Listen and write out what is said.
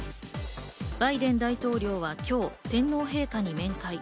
バイデン大統領は今日、天皇陛下に面会。